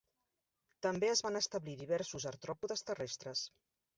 També es van establir diversos artròpodes terrestres.